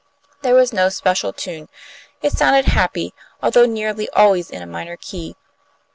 There was no special tune. It sounded happy, although nearly always in a minor key.